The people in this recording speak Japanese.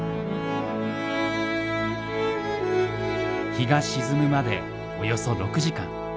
日が沈むまでおよそ６時間。